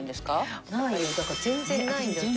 だから全然ないんだって。